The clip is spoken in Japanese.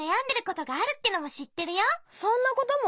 そんなことも？